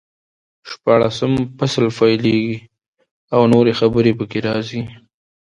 شپاړسم فصل پیلېږي او نورې خبرې پکې راځي.